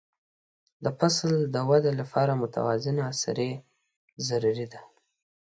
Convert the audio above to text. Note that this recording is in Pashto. د فصل د وده لپاره متوازنه سرې ضروري دي.